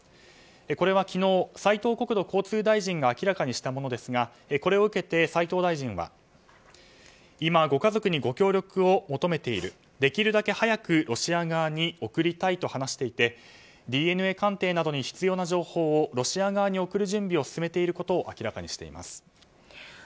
これは昨日、斉藤国交大臣が明らかにしたものですがこれを受けて斉藤大臣は今、ご家族にご協力を求めているできるだけ早くロシア側に送りたいと話していてＤＮＡ鑑定などに必要な情報をロシア側に送る準備を進めていることを明らかにしています。